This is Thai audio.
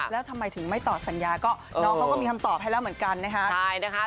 แล้วทำไมถึงไม่ตอบสัญญาก็น้องเขาก็มีคำตอบให้แล้วเหมือนกันนะคะ